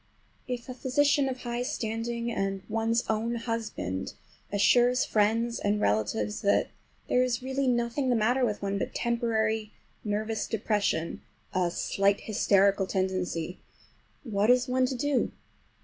If a physician of high standing, and one's own husband, assures friends and relatives that there is really nothing the matter with one but temporary nervous depression—a slight hysterical tendency—what is one to do?